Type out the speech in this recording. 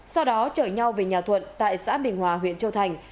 sau đó chở nhau về nhà thuận tại xã bình hòa huyện châu thành